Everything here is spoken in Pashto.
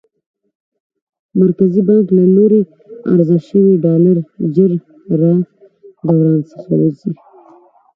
مرکزي بانک له لوري عرضه شوي ډالر ژر له دوران څخه وځي.